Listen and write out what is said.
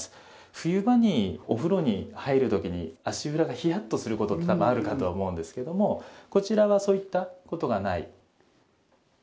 冬場にお風呂に入るときに、足裏がひやっとすること、あるかと思うんですけれども、こちらはそういったことがない。